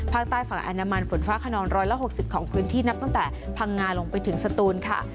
ภาคใต้ฝั่งอนามันฝนฟ้าขนอง๑๖๐ของพื้นที่นับตั้งแต่พังงาลงไปถึงสตูนค่ะ